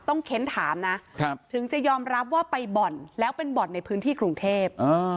เค้นถามนะถึงจะยอมรับว่าไปบ่อนแล้วเป็นบ่อนในพื้นที่กรุงเทพ